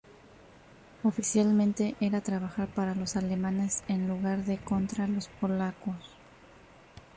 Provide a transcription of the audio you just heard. Oficialmente era trabajar para los alemanes en lugar de contra los polacos.